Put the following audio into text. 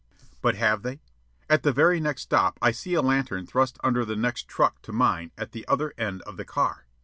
But have they? At the very next stop, I see a lantern thrust under the next truck to mine at the other end of the car.